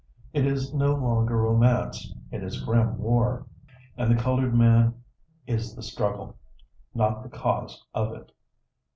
It is no longer romance; it is grim war, and the colored man is the struggle, not the cause of it.